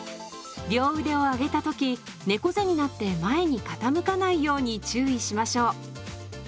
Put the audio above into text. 両腕を上げた時猫背になって前に傾かないように注意しましょう。